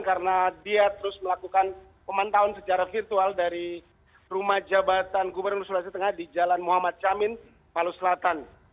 karena dia terus melakukan pemantauan secara virtual dari rumah jabatan gubernur sulawesi tengah di jalan muhammad camin palu selatan